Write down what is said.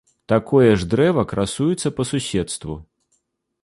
Такое ж дрэва красуецца па суседству.